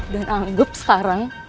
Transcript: dan anggap sekarang